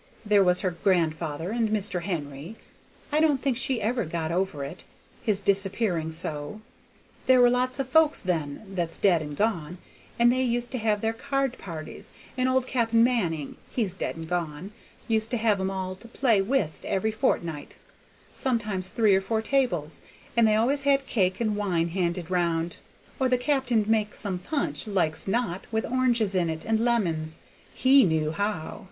There was your grandfather and Mr. Henry. I don't think she ever got it over, his disappearing so. There were lots of folks then that's dead and gone, and they used to have their card parties, and old Cap'n Manning he's dead and gone used to have 'em all to play whist every fortnight, sometimes three or four tables, and they always had cake and wine handed round, or the cap'n made some punch, like's not, with oranges in it, and lemons; he knew how!